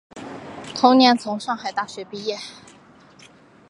同年从上海大学毕业。